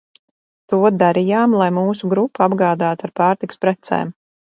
To darījām lai mūsu grupu apgādātu ar pārtikas precēm.